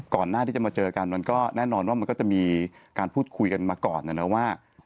หน้าที่จะมาเจอกันมันก็แน่นอนว่ามันก็จะมีการพูดคุยกันมาก่อนนะนะว่า